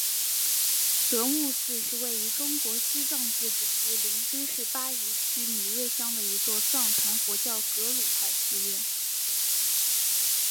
德木寺是位于中国西藏自治区林芝市巴宜区米瑞乡的一座藏传佛教格鲁派寺院。